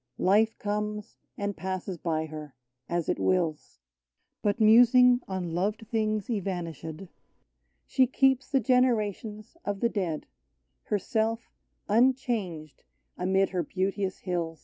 Life comes, and passes by her, as it wills ; But musing on loved things evanish^. She keeps the generations of the dead, — Herself unchanged amid her beauteous hills : 38 OLD ST.